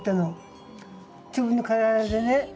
自分の体でね。